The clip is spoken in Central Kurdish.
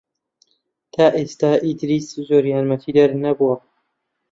تا ئێستا ئیدریس زۆر یارمەتیدەر نەبووە.